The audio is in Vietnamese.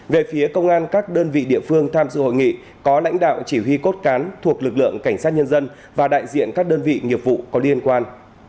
về phía công an các đơn vị địa phương tham dự hội nghị có lãnh đạo chỉ huy cốt cán thuộc lực lượng cảnh sát nhân dân và đại diện các đơn vị nghiệp vụ có liên quan